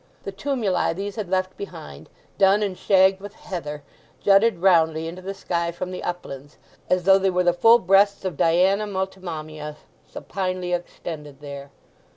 The tumuli these had left behind, dun and shagged with heather, jutted roundly into the sky from the uplands, as though they were the full breasts of Diana Multimammia supinely extended there.